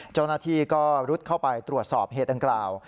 เจ้าหน้าที่ก็รุดเข้าไปตรวจสอบเหตุดังกล่าว